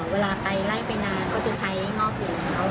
เวลาไปไล่ไปนานก็จะใช้งอกอยู่แล้ว